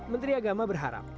menteri agama berharap